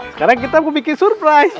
sekarang kita mau bikin surprise